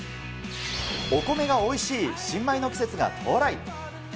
お米がおいしい新米の季節が到来。